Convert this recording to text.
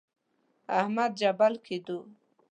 احمد جلبل کېدو.